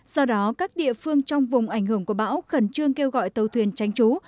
do đó các địa phương trong vùng ảnh hưởng của bão khẩn trương kêu gọi tàu thuyền tránh trú